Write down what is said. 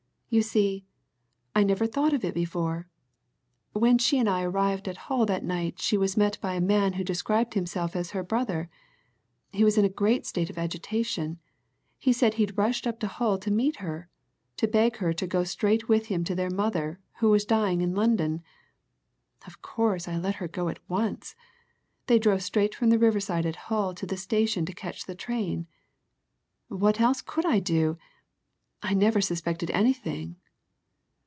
You see I never thought of it before when she and I arrived at Hull that night she was met by a man who described himself as her brother. He was in a great state of agitation he said he'd rushed up to Hull to meet her, to beg her to go straight with him to their mother, who was dying in London. Of course, I let her go at once they drove straight from the riverside at Hull to the station to catch the train. What else could I do? I never suspected anything.